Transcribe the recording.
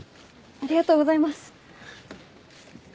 ありがとうございます。